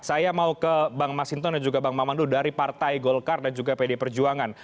saya mau ke bang masinton dan juga bang maman dulu dari partai golkar dan juga pd perjuangan